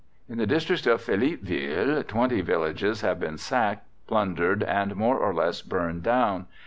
In the district of Philippeville 20 villages have been sacked, plundered, and more or less burned down.